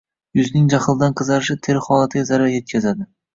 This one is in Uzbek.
Yuzning jahldan qizarishi teri holatiga zarar etkazadi.